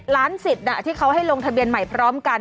ล้านสิทธิ์ที่เขาให้ลงทะเบียนใหม่พร้อมกัน